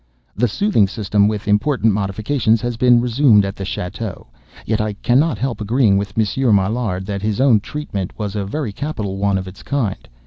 The "soothing system," with important modifications, has been resumed at the château; yet I cannot help agreeing with Monsieur Maillard, that his own "treatment" was a very capital one of its kind.